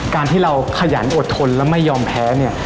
การที่เราขยันอดทนและไม่ยอมแพ้เนี่ย